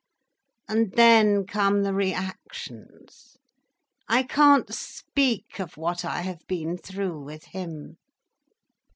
And then come the reactions. I can't speak of what I have been through with him.